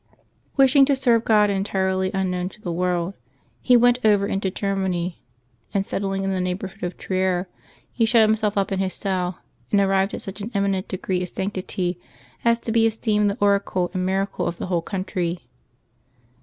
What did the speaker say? Wishing to serve God entirely un known to the world, he went over into Germany, and settling in the neighborhood of Trier, he shut himself up in his cell, and arrived at such an eminent degree of sanc tity as to be esteemed the oracle and miracle of the whole country.